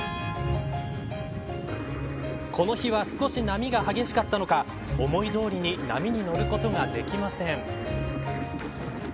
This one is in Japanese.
この日は少し波が激しかったのか思いどおりに波に乗ることができません。